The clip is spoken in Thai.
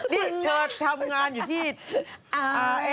นี่เธอทำงานอยู่ที่อ่า